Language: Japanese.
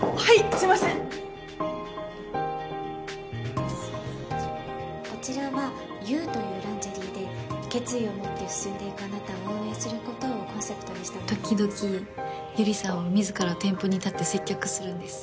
すいませんこちらはユーというランジェリーで決意を持って進んでいくあなたを応援することをコンセプトに時々百合さんは自ら店舗に立って接客するんです